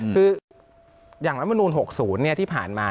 คืออย่างรัฐมนูล๖๐ที่ผ่านมา